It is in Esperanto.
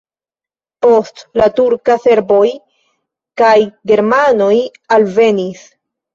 Post la turka serboj kaj germanoj alvenis.